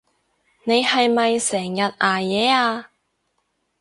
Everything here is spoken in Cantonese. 你係咪成日捱夜啊？